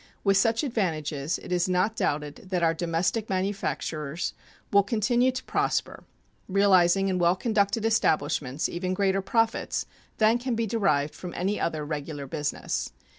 With such advantages it is not doubted that our domestic manufacturers will continue to prosper, realizing in well conducted establishments even greater profits than can be derived from any other regular business.